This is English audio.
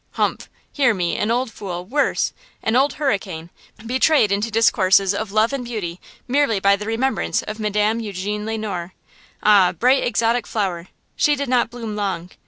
Humph! hear me, an old fool–worse–an Old Hurricane–betrayed into discourses of love and beauty merely by the remembrance of Madame Eugene Le Noir! Ah, bright, exotic flower! she did not bloom long.